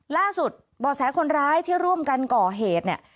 ล่าสุดบ่อแสขนร้ายที่ร่วมการก่อเหตุ